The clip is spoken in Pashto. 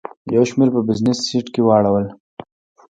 یو شمېر په بزنس سیټ کې واړول.